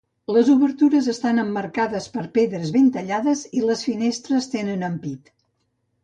Les obertures estan emmarcades per pedres ben tallades i les finestres tenen ampit.